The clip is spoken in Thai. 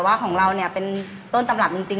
ว่าของเราเป็นต้นตำหลักจริง